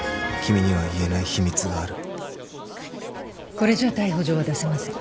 これじゃ逮捕状は出せません。